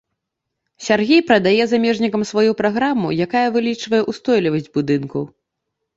Сяргей прадае замежнікам сваю праграму, якая вылічвае ўстойлівасць будынкаў.